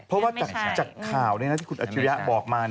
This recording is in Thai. เพราะว่าจากข่าวที่คุณอัจฉริยะบอกมา